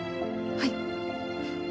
はい。